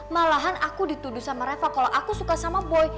malahan aku dituduh sama reva kalau aku suka sama boy